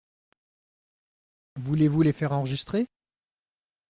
Voulez-vous les faire enregistrer ?…